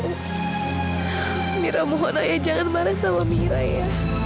amirah mohon ayah jangan marah sama amirah ya